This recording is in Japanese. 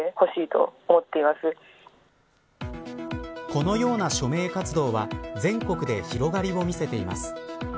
このような署名活動は全国で広がりを見せています。